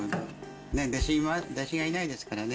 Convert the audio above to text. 弟子がいないですからね。